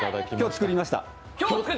今日作りました。